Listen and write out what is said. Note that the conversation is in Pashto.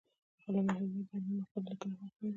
علامه حبیبي د علمي مقالو لیکنه هم کړې ده.